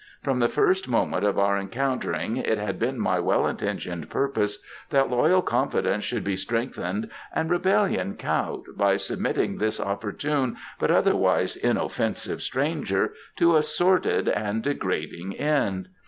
From the first moment of our encountering it had been my well intentioned purpose that loyal confidence should be strengthened and rebellion cowed by submitting this opportune but otherwise inoffensive stranger to a sordid and degrading end.